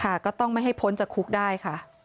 ก็ต้องไม่ให้พ้นจากคุกได้ค่ะ